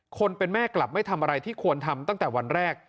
คนเป็นแม่กลับไม่ทำอะไรที่ควรทำตั้งแต่วันแรก